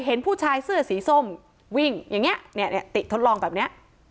เห็นผู้ชายเสื้อสีส้มวิ่งอย่างนี้เนี่ยติทดลองแบบเนี้ย